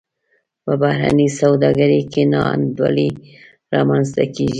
په بهرنۍ سوداګرۍ کې نا انډولي رامنځته کیږي.